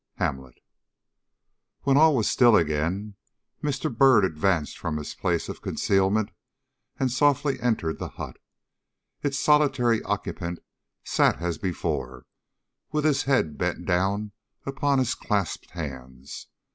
HAMLET. WHEN all was still again, Mr. Byrd advanced from his place of concealment, and softly entered the hut. Its solitary occupant sat as before, with his head bent down upon his clasped hands.